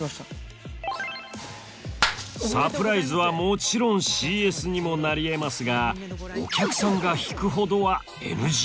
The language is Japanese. サプライズはもちろんＣＳにもなりえますがお客さんが引くほどはＮＧ。